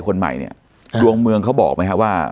คนใหม่เนี่ยดวงเมืองเขาบอกไหมฮะ